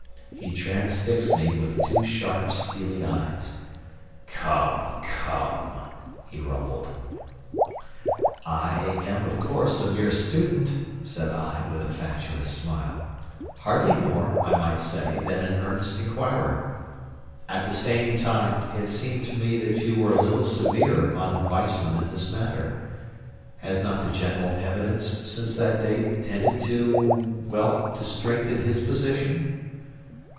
He transfixed me with two sharp, steely eyes. "Come, come!" he rumbled. "I am, of course, a mere student," said I, with a fatuous smile, "hardly more, I might say, than an earnest inquirer. At the same time, it seemed to me that you were a little severe upon Weissmann in this matter. Has not the general evidence since that date tended to well, to strengthen his position?"